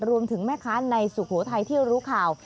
รวมถึงแม่ค้าในสุโขทัยที่รู้ข่าว